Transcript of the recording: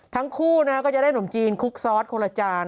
ทั้งคู่ก็จะได้ขนมจีนคุกซอสคนละจาน